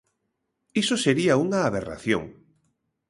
Iso sería unha aberración.